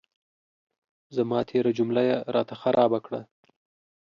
زما تېره جمله یې را ته خرابه کړه.